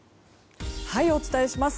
お伝えします。